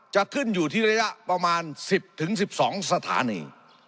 จะขึ้นอยู่ที่ระยะประมาณ๑๐๑๒สถานี